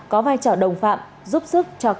có vai trò đồng phạm giúp sức cho các bị can khác